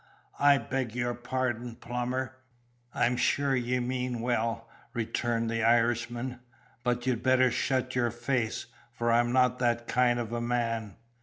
"I beg your pardon, plumber. I'm sure ye mean well," returned the Irishman, "but you'd better shut your face, for I'm not that kind of a man.